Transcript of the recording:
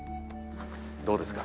どうですか？